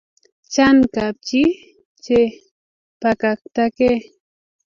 Chan kapchi che pakaktakee